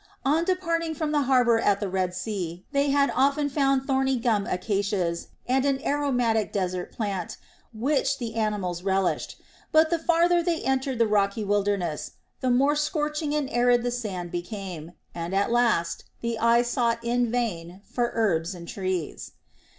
On departing from the harbor at the Red Sea they had often found thorny gum acacias and an aromatic desert plant, which the animals relished; but the farther they entered the rocky wilderness, the more scorching and arid the sand became, and at last the eye sought in vain for herbs and trees.